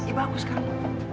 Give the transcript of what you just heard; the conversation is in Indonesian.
iya bagus kan